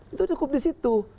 itu cukup di situ